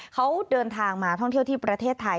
เขาเดินทางมาท่องเที่ยวที่ประเทศไทย